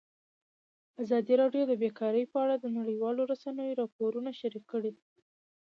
ازادي راډیو د بیکاري په اړه د نړیوالو رسنیو راپورونه شریک کړي.